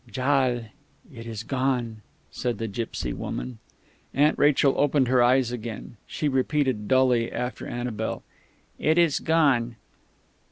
"Jal it is gone," said the gipsy woman. Aunt Rachel opened her eyes again. She repeated dully after Annabel: "It is gone."